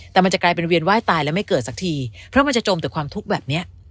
แต่มันจะกลายเป็นเวียนไหว้ตายแล้วไม่เกิดสักทีเพราะมันจะจมแต่ความทุกข์แบบเนี้ย